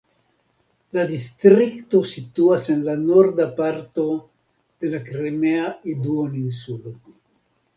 La distrikto situas en la norda parto de la Krimea duoninsulo.